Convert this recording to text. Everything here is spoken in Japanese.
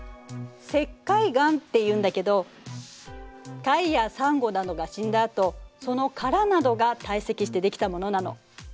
石灰岩っていうんだけど貝やサンゴなどが死んだあとその殻などが堆積してできたものなの。